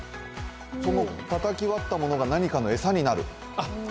そのたたき割ったものが何かの餌になる？